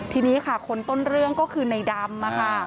ทีนี้ค่ะคนต้นเรื่องก็คือในดำ